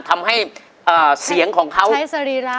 ทำให้เสียงของเขาใช้สรีระ